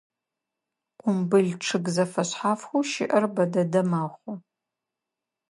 Къумбыл чъыг зэфэшъхьафхэу щыӏэр бэ дэдэ мэхъу.